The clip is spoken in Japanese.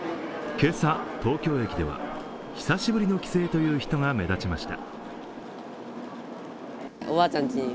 今朝、東京駅では久しぶりの帰省という人が目立ちました。